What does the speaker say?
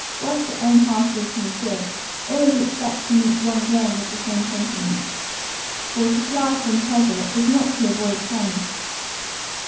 Whilst your own heart is sincere, always expect to meet one glowing with the same sentiments; for to fly from pleasure, is not to avoid pain!